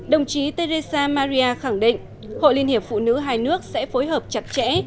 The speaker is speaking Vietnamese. đồng chí teresa maria khẳng định hội liên hiệp phụ nữ hai nước sẽ phối hợp chặt chẽ